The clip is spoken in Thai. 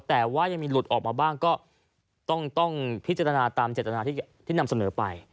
แต่ว่ายังมีหลุดออกมาบ้างก็ต้องพิจารณาตามเจตนาที่นำเสนอไป